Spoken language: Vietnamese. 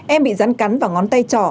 em bị rắn cắn vào ngón tay trỏ